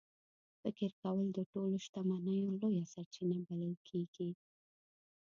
فکر کول د ټولو شتمنیو لویه سرچینه بلل کېږي.